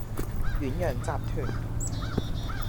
遠洋集團